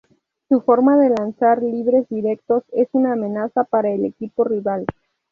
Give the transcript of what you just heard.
Su forma de lanzar libres directos es una amenaza para el equipo rival.